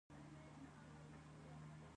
ایا زه باید په شا ویده شم؟